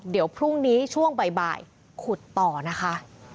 เดี๋ยวพรุ่งนี้ช่วงบ่ายขุดต่อนะคะ